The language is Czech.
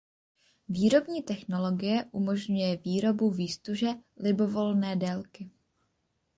Výrobní technologie umožňuje výrobu výztuže libovolné délky.